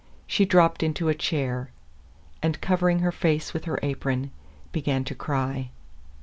She dropped into a chair, and covering her face with her apron, began to cry.